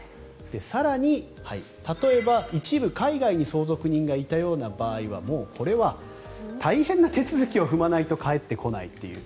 更に、例えば一部、海外に相続人がいたような場合にはもうこれは大変な手続きを踏まないと返ってこないという。